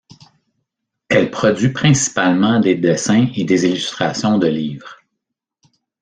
Elle produit principalement des dessins et des illustrations de livres.